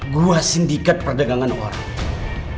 gua sindikat perdagangan orang